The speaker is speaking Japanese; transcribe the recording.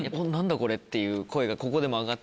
これっていう声がここでも上がってたんで。